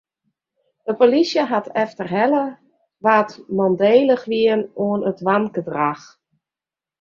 De polysje hat efterhelle wa't mandélich wiene oan it wangedrach.